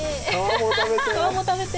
皮も食べて。